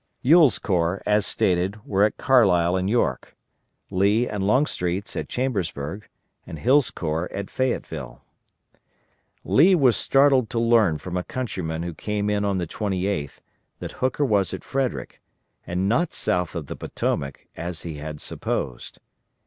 Ewell's corps, as stated, were at Carlisle and York, Lee and Longstreet's at Chambersburg, and Hill's corps at Fayetteville. Lee was startled to learn from a countryman who came in on the 28th that Hooker was at Frederick, and not south of the Potomac, as he had supposed.